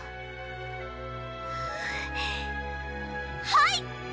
はい！